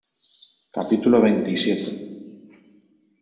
capítulo veintisiete.